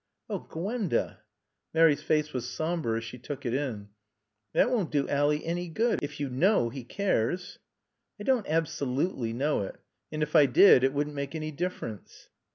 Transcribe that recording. "Oh, Gwenda " Mary's face was somber as she took it in. "That won't do Ally any good. If you know he cares." "I don't absolutely know it. And if I did it wouldn't make any difference."